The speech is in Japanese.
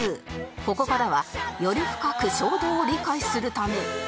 ここからはより深く衝動を理解するため